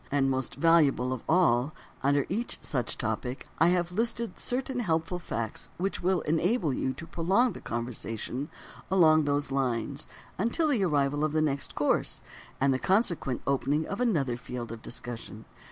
And, most valuable of all, under each such topic I have listed certain helpful facts which will enable you to prolong the conversation along those lines until the arrival of the next course, and the consequent opening of another field for discussion.